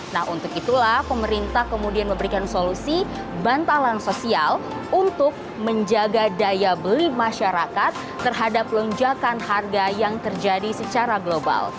nah untuk itulah pemerintah kemudian memberikan solusi bantalan sosial untuk menjaga daya beli masyarakat terhadap lonjakan harga yang terjadi secara global